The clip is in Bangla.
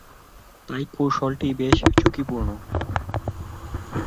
তাই কৌশলটি বেশ ঝুঁকিপূর্ণ।